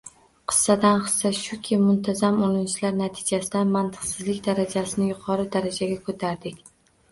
«Qissadan hissa» shuki, muntazam urinishlar natijasida mantiqsizlik darajasini yuqori darajaga ko‘tardik –